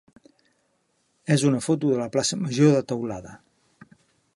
és una foto de la plaça major de Teulada.